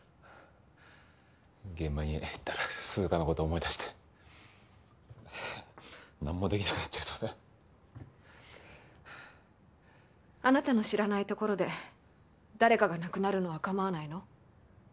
現場に行ったら涼香のこと思い出して何もできなくなっちゃいそうであなたの知らない所で誰かが亡くなるのはかまわないの？